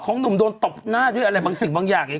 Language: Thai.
หนุ่มโดนตบหน้าด้วยอะไรบางสิ่งบางอย่างเลย